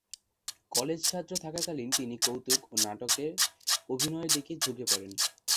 কলেজে ছাত্র থাকাকালীন তিনি কৌতুক ও নাটকে অভিনয়ের দিকে ঝুঁকে পরেন।